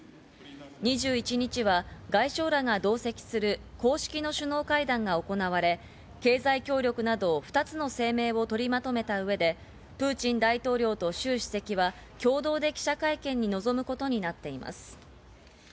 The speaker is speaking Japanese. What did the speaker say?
２１日は外相らが同席する公式の首脳会談が行われ、経済協力など、２つの声明を取りまとめた上で、プーチン大統領とシュウ主席は共同で記者会見に臨むことになっています。